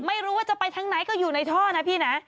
ไม่รู้ว่าจะไปทางไหนก็อยู่ในท่อนะพี่นะ